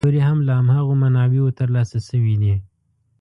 دا خبرې هم له هماغو منابعو تر لاسه شوې دي.